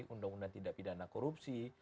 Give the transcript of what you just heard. undang undang tindak pidana korupsi